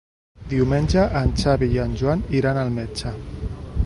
Diumenge en Xavi i en Joan iran al metge.